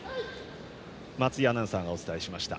松井アナウンサーがお伝えしました。